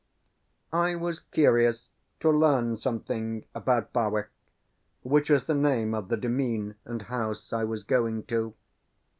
I was curious to learn something about Barwyke, which was the name of the demesne and house I was going to.